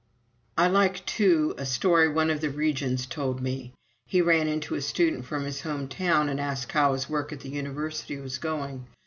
I like, too, a story one of the Regents told me. He ran into a student from his home town and asked how his work at the University was going.